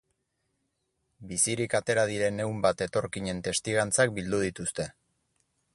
Bizirik atera diren ehun bat etorkinen testigantzak bildu dituzte.